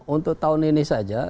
untuk tahun ini saja